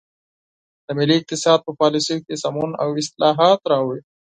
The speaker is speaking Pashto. د ملي اقتصاد په پالیسیو کې سمون او اصلاحات راوړي.